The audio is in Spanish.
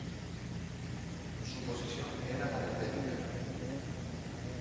Su posición era la delantero.